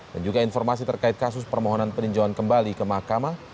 dan juga informasi terkait kasus permohonan peninjauan kembali ke mahkamah